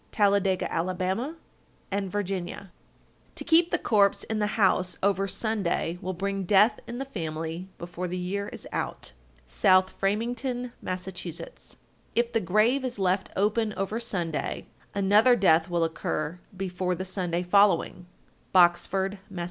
Talladega, Ala., and Virginia. 1261. To keep the corpse in the house over Sunday will bring death in the family before the year is out. South Framingham, Mass. 1262. If the grave is left open over Sunday, another death will occur before the Sunday following. _Boxford, Mass.